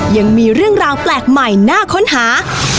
ยังมีเรื่องราวแปลกใหม่น่าค้นหา